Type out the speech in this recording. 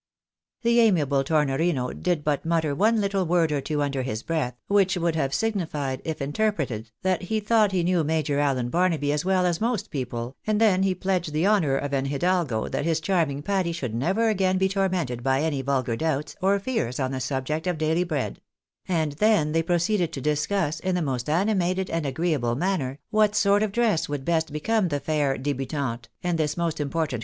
The amiable Tornorino did but mutter one little word or two under his breath, which would have signified, if interpreted, that he thought he knew Major Allen Barnaby as well as most people, and then he pledged the honour of an hidalgo that his charming Patty should never again be tormented by any vulgar doubts, or fears on the subject of daily bread ; and then they proceeded to discuss, in the most animated and agreeable manner, what sort of, dress would best become the fair debutante, and this most important